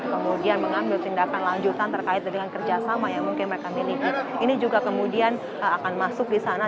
kemudian mengambil tindakan lanjutan terkait dengan kerjasama yang mungkin mereka miliki ini juga kemudian akan masuk di sana